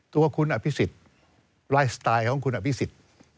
ตัวคุณอภิสิทธิ์ไลฟ์สไตล์ของคุณอภิสิทธิ์